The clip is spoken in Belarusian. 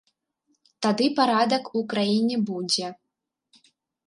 Тады парадак у краіне будзе.